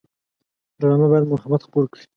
ډرامه باید محبت خپور کړي